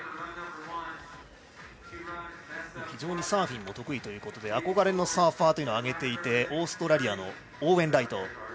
非常にサーフィンも得意ということで憧れのサーファーを挙げていてオーストラリアのオーウェン・ライト。